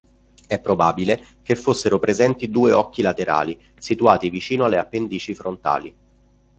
È probabile che fossero presenti due occhi laterali, situati vicino alle appendici frontali.